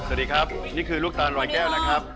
สวัสดีครับนี่คือลูกตาลรอยแก้วนะครับ